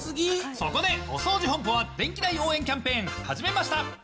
そこで、おそうじ本舗が電気代応援キャンペーン始めました。